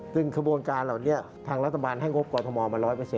ซึ่งขบวนการเหล่านี้ทางรัฐบาลให้งบกรทมมา๑๐๐